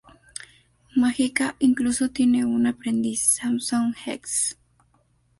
Magica incluso tiene un aprendiz, Samson Hex.